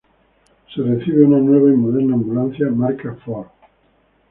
Se recibe una nueva y moderna ambulancia marca Ford.